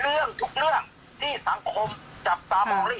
แม่ยังคงมั่นใจและก็มีความหวังในการทำงานของเจ้าหน้าที่ตำรวจค่ะ